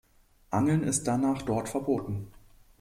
Angeln ist danach dort verboten.